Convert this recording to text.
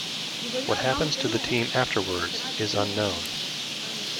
What happens to the team afterwards is unknown.